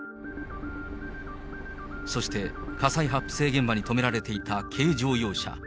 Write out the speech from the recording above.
そして火災発生現場に止められていた軽乗用車。